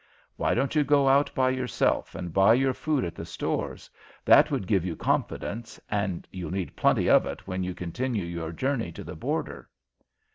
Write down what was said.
Why don't you go out by yourself and buy your food at the stores? That would give you confidence, and you'll need plenty of it when you continue your journey to the border."